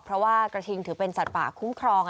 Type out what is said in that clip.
เพราะว่ากระทิงถือเป็นสัตว์ป่าคุ้มครอง